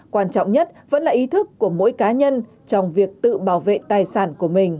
quan trọng nhất vẫn là ý thức của mỗi cá nhân trong việc tự bảo vệ tài sản của mình